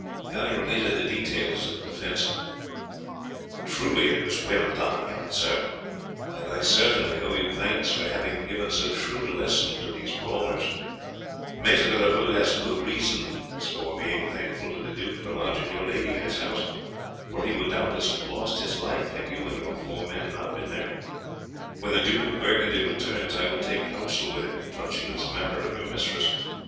Guy related the details of the defence. [Illustration: "THE KING EXTENDED HIS HAND TO GUY, WHO WENT ON ONE KNEE TO KISS IT."] "Truly it was well done, young sir, and I owe you thanks for having given so shrewd a lesson to these brawlers, Maître Leroux has good reasons for being thankful to the duke for lodging your lady in his house, for he would doubtless have lost his life had you and your four men not been there. When the Duke of Burgundy returns I will take council with him touching this matter of your mistress.